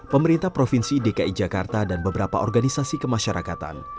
pemerintah provinsi dki jakarta dan beberapa organisasi kemasyarakatan